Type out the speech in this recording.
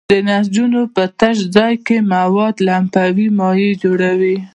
د نسجونو په تش ځای کې مواد لمفاوي مایع جوړوي.